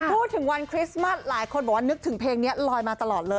พูดถึงวันคริสต์มัสหลายคนบอกว่านึกถึงเพลงนี้ลอยมาตลอดเลย